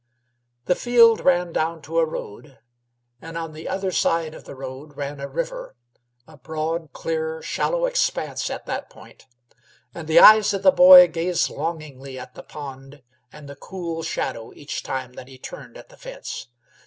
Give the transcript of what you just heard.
The field bordered on a road, and on the other side of the road ran a river a broad, clear, shallow expanse at that point, and the eyes of the boy gazed longingly at the pond and the cool shadow each time that he turned at the fence.